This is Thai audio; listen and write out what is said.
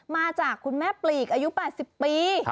มาจากคุณแม่ปลีกอายุ๘๐ปี